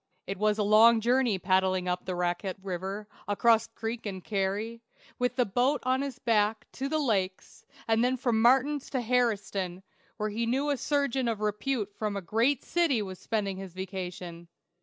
It was a long journey paddling up the Racquette River, across creek and carry, with the boat on his back, to the lakes, and then from Martin's to "Harri'tstown," where he knew a surgeon of repute from a great city was spending his vacation.